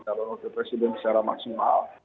calon wakil presiden secara maksimal